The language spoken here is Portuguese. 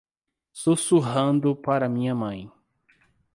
Sussurrando para minha mãe